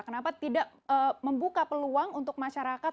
kenapa tidak membuka peluang untuk masyarakat